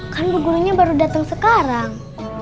kan bergurunya baru datang sekarang